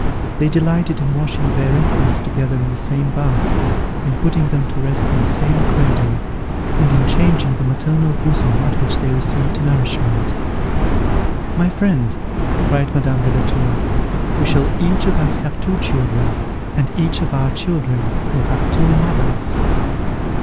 They delighted in washing their infants together in the same bath, in putting them to rest in the same cradle, and in changing the maternal bosom at which they received nourishment. "My friend," cried Madame de la Tour, "we shall each of us have two children, and each of our children will have two mothers."